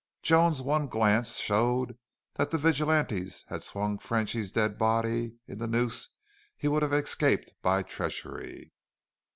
Joan's one glance showed that the vigilantes had swung Frenchy's dead body in the noose he would have escaped by treachery.